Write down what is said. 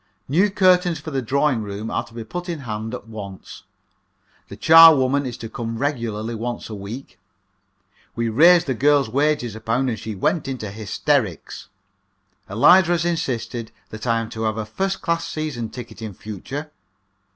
New curtains for the drawing room are to be put in hand at once. The charwoman is to come regularly once a week. We raised the girl's wages a pound, and she went into hysterics. Eliza has insisted that I am to have a first class season ticket in future.